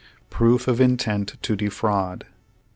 PROOF OF Intent to Defraud.